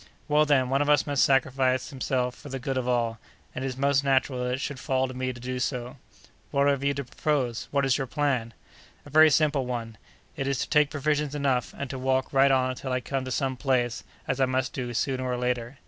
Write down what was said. "Well, then, one of us must sacrifice himself for the good of all, and it is most natural that it should fall to me to do so." "What have you to propose? What is your plan?" "A very simple one! It is to take provisions enough, and to walk right on until I come to some place, as I must do, sooner or later.